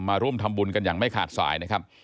มาร่วมทำบุญกันอย่างไม่ขาดสายนะครับ